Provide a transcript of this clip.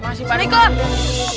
masih pari kok